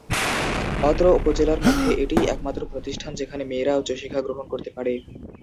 অত্র উপজেলার মধ্যে এটিই একমাত্র প্রতিষ্ঠান যেখানে মেয়েরা উচ্চশিক্ষা গ্রহণ করতে পারে।